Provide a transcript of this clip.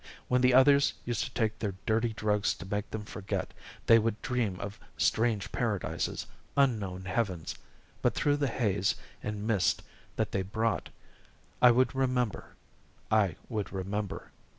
When the others used to take their dirty drugs to make them forget, they would dream of strange paradises, unknown heavens but through the haze and mist that they brought, I would remember I would remember.